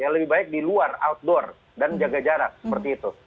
lebih baik di luar outdoor dan jaga jarak seperti itu